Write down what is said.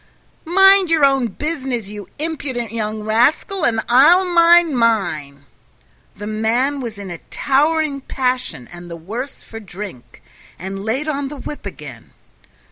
"Mind your own business, you impudent young rascal, and I'll mind mine!" The man was in a towering passion and the worse for drink, and laid on the whip again.